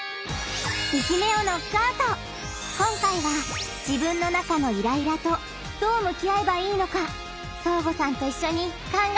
今回は「自分の中のイライラ」とどうむき合えばいいのかそーごさんといっしょに考えていくよ！